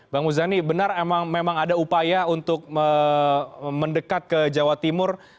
bang muzani benar memang ada upaya untuk mendekat ke jawa timur